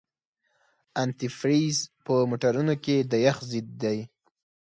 انتي فریز په موټرونو کې د یخ ضد دی.